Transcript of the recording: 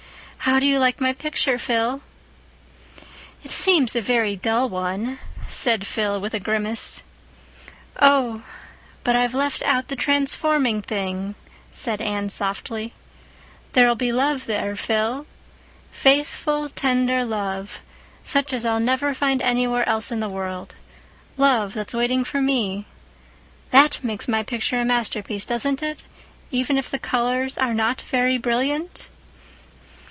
How do you like my picture, Phil?" "It seems a very dull one," said Phil, with a grimace. "Oh, but I've left out the transforming thing," said Anne softly. "There'll be love there, Phil—faithful, tender love, such as I'll never find anywhere else in the world—love that's waiting for me. That makes my picture a masterpiece, doesn't it, even if the colors are not very brilliant?"